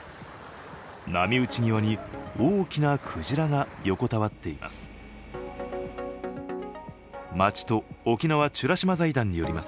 波打ち際に大きなクジラが横たわっています。